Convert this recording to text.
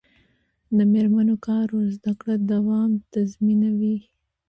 د میرمنو کار د زدکړو دوام تضمینوي.